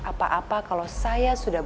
apa apa kalau saya sudah